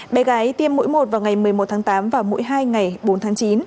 bé gái tiêm mũi một vào ngày một mươi một tháng tám và mũi hai ngày bốn tháng chín